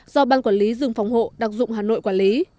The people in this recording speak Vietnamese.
do ban quản lý rừng phòng hộ đặc dụng hà nội quản lý